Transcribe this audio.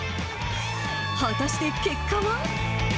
果たして結果は。